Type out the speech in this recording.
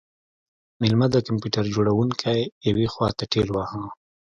میلمه د کمپیوټر جوړونکی یوې خواته ټیل واهه